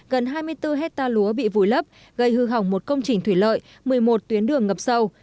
gần hai mươi bốn hectare lúa bị vùi lấp gây hư hỏng một công trình thủy lợi một mươi một tuyến đường ngập sâu